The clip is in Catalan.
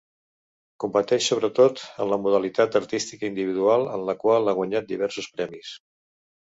Competeix sobretot en la modalitat artística individual, en la qual ha guanyat diversos premis.